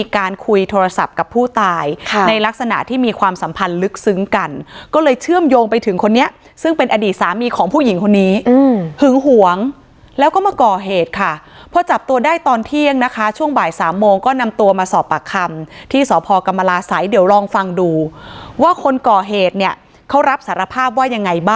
การคุยโทรศัพท์กับผู้ตายในลักษณะที่มีความสัมพันธ์ลึกซึ้งกันก็เลยเชื่อมโยงไปถึงคนนี้ซึ่งเป็นอดีตสามีของผู้หญิงคนนี้หึงหวงแล้วก็มาก่อเหตุค่ะพอจับตัวได้ตอนเที่ยงนะคะช่วงบ่ายสามโมงก็นำตัวมาสอบปากคำที่สพกรรมราศัยเดี๋ยวลองฟังดูว่าคนก่อเหตุเนี่ยเขารับสารภาพว่ายังไงบ